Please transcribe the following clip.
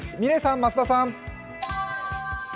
嶺さん、増田さん。